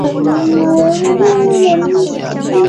越南是否分布本种亦仍存疑。